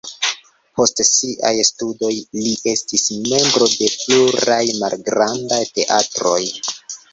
Post siaj studoj li estis membro de pluraj malgrandaj teatroj.